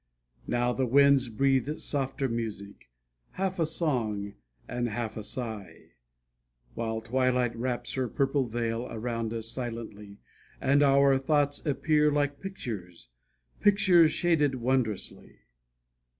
Now the winds breathe softer music, Half a song, and half a sigh; While twilight wraps her purple veil Around us silently, And our thoughts appear like pictures, Pictures shaded wondrously.